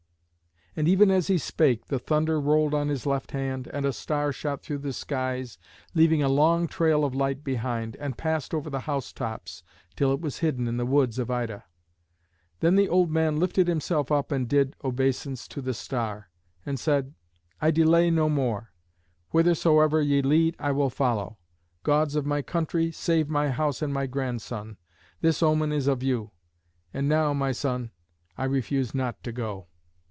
And even as he spake the thunder rolled on his left hand, and a star shot through the skies, leaving a long trail of light behind, and passed over the house tops till it was hidden in the woods of Ida. Then the old man lifted himself up and did obeisance to the star, and said, "I delay no more: whithersoever ye lead I will follow. Gods of my country, save my house and my grandson. This omen is of you. And now, my son, I refuse not to go."